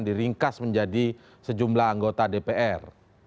diringkas menjadi sejumlah anggota dpr